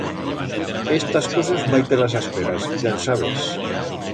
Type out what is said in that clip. Estas cosas mai te las asperas, ya el sabes.